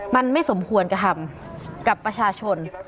มันไม่สมควรกระทำกับประชาชน